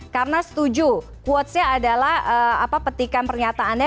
karena setuju quotes nya adalah petikan pernyataannya